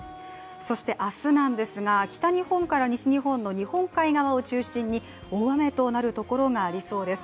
そして明日なんですが北日本から西日本の日本海側を中心に大雨となるところがありそうです。